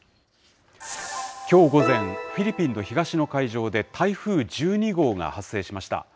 きょう午前、フィリピンの東の海上で台風１２号が発生しました。